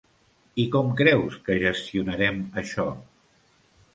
I com creus que gestionarem això?